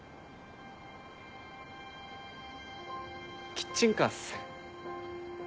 キッチンカーっす。